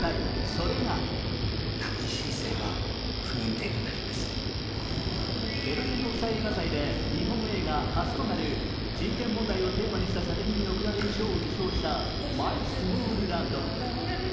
それがベルリン国際映画祭で日本映画初となる人権問題をテーマにした作品に贈られる賞を受賞した「マイスモールランド」。